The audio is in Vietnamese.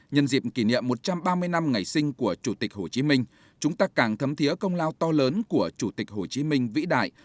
nhân dịp kỷ niệm một trăm ba mươi năm ngày sinh của chủ tịch hồ chí minh chúng ta càng thấm thiế công lao to lớn của chủ tịch hồ chí minh vĩ đại